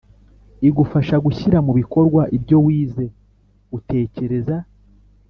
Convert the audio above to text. igufasha gushyira mu bikorwa ibyo wize utekereza